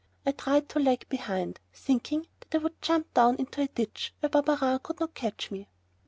I tried to lag behind, thinking that I would jump down into a ditch where Barberin could not catch me.